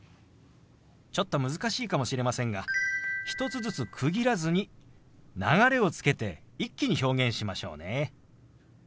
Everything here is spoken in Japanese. ちょっと難しいかもしれませんが１つずつ区切らずに流れをつけて一気に表現しましょうね。